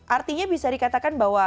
artinya bisa dikatakan bahwa